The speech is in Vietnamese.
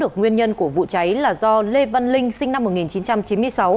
nguyên nhân của vụ cháy là do lê văn linh sinh năm một nghìn chín trăm chín mươi sáu